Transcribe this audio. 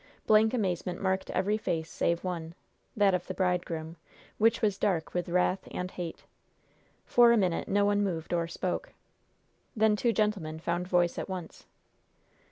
Blank amazement marked every face save one that of the bridegroom, which was dark with wrath and hate. For a minute no one moved or spoke. Then two gentlemen found voice at once.